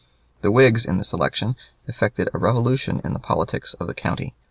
The Whigs in this election effected a revolution in the politics of the county.